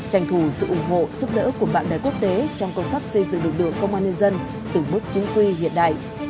tranh thủ sự ủng hộ giúp đỡ của bạn bè quốc tế trong công tác xây dựng lực lượng công an nhân dân từng bước chính quy hiện đại